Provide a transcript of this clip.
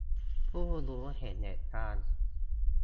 ผู้รู้เห็นเหตุการณ์